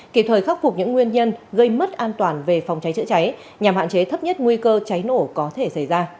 kịp thời khắc phục những nguyên nhân gây mất an toàn về phòng cháy chữa cháy nhằm hạn chế thấp nhất nguy cơ cháy nổ có thể xảy ra